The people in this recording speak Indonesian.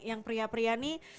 yang pria pria nih